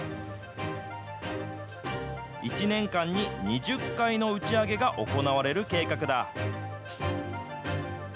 １年間に２０回の打ち上げが行われる計画だ。